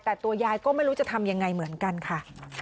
แต่ตัวยายก็ไม่รู้จะทำยังไงเหมือนกันค่ะ